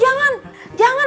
jangan jangan jangan